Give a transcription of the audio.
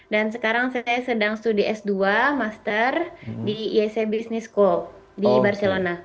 dan sekarang saya sedang studi s dua master di iec business school di barcelona